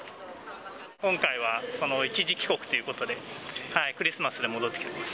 今回は一時帰国ということで、クリスマスで戻ってきてます。